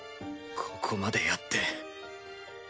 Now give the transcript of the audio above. ここまでやって。